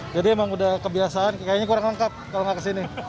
jadi emang udah kebiasaan kayaknya kurang lengkap kalau gak kesini